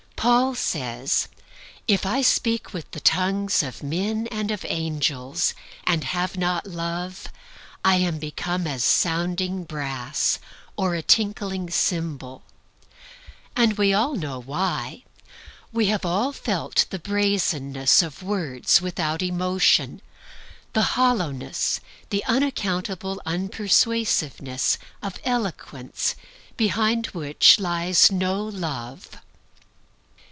Paul says, "If I speak with the tongues of men and of angels, and have not love, I am become sounding brass, or a tinkling cymbal." We all know why. We have all felt the brazenness of words without emotion, the hollowness, the unaccountable unpersuasiveness, of eloquence behind which lies no Love.